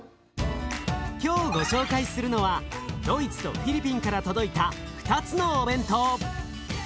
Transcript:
今日ご紹介するのはドイツとフィリピンから届いた２つのお弁当。